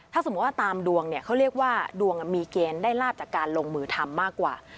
ถ้าสมมุติว่าตามดวงเนี่ยเขาเรียกว่าดวงมีเกณฑ์ได้ลาบจากการลงมือทำมากกว่า